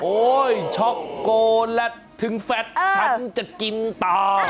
โอ้ยช็อกโกแลตถึงแฟสฉันจะกินต่อ